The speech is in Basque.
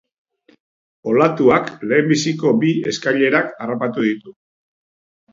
Olatuak lehenbiziko bi eskailerak harrapatu ditu.